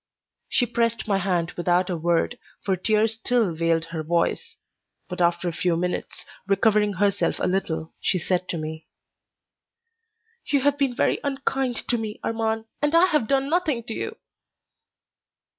She pressed my hand without a word, for tears still veiled her voice. But after a few minutes, recovering herself a little, she said to me: "You have been very unkind to me, Armand, and I have done nothing to you."